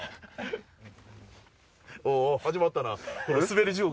おう始まったな。